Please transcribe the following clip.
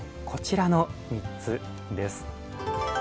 こちらの３つです。